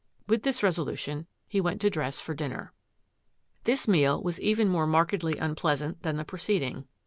With this resolution, he went to dress for dinner. This meal was even more markedly unpleasant than the preceding.